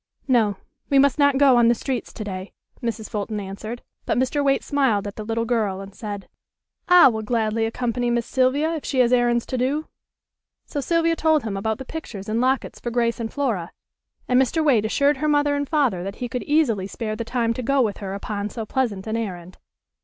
"No, we must not go on the streets to day," Mrs. Fulton answered; but Mr. Waite smiled at the little girl and said: "I will gladly accompany Miss Sylvia if she has errands to do," so Sylvia told him about the pictures and lockets for Grace and Flora, and Mr. Waite assured her mother and father that he could easily spare the time to go with her upon so pleasant an errand.